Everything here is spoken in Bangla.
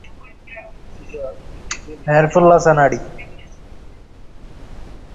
তিনি অধিকতর বেতনে জো কার্ল নামক জনৈক ব্যক্তির পশুশালার দায়িত্ব নেন।